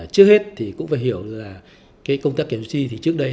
trước hết cũng phải hiểu công tác kiểm soát chi trước đây